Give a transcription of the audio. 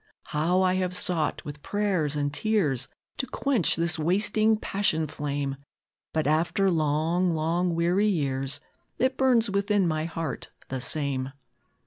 How I have sought, with prayers and tears, To quench this wasting passion flame! But after long, long, weary years, It burns within my heart the same."